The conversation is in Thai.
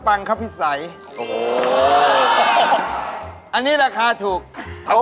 มันเบอรี่ลูกเอ๊ย